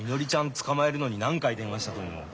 捕まえるのに何回電話したと思う？